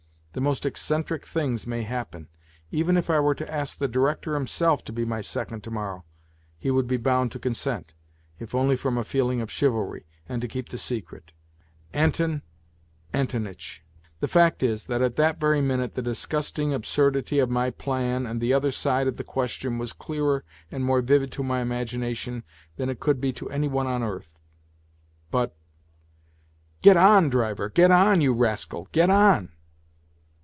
The most eccentric things may happen. Even if I were to ask the director himself to be my second to morrow, he would be bound to consent, if only from a feeling of chivalry, and to keep the secret ! Anton Antonitch. ..." The fact is, that at that very minute the disgusting absurdity of my plan and the other side of the question was clearer and more vivid to my imagination than it could be to any one on earth. But. ..." Get on, driver, get on, you rascal, get on